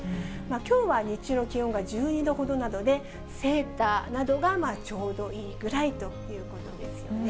きょうは日中の気温が１２度ほどなので、セーターなどがちょうどいいぐらいということですよね。